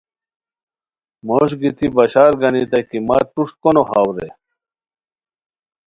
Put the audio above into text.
موش گیتی بشارگانیتائے کی مت پروشٹ کو نو ہاؤ رے